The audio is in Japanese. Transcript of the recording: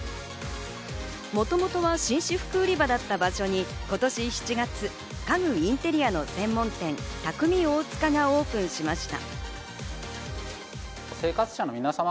もともとは紳士服売り場だった場所に今年７月、家具インテリアの専門店・匠大塚がオープンしました。